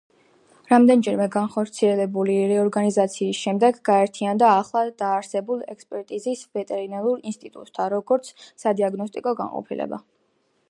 რამდენჯერმე განხორციელებული რეორგანიზაციის შემდეგ გაერთიანდა ახლად დაარსებულ ექსპერტიზის ვეტერინარულ ინსტიტუტთან, როგორც სადიაგნოსტიკო განყოფილება.